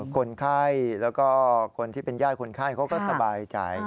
คนไข้แล้วก็คนที่เป็นญาติคนไข้เขาก็สบายใจ